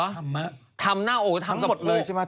ทำหน้าโกทำสระโปะเหรอทำทั้งหมดเลยใช่มะ